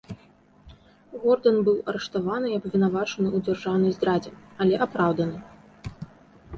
Гордан быў арыштаваны і абвінавачаны ў дзяржаўнай здрадзе, але апраўданы.